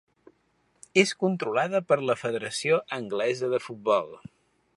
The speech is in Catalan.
És controlada per la Federació Anglesa de Futbol.